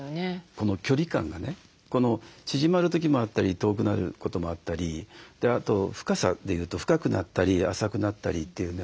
この距離感がね縮まる時もあったり遠くなることもあったりあと深さでいうと深くなったり浅くなったりというね。